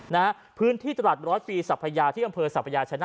นะฮะพื้นที่ตลาดร้อยปีสัพพยาที่อำเภอสัพยาชนะ